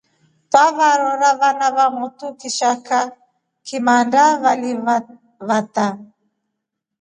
Twevarora vana vomutu kishaka kimanda vali vata.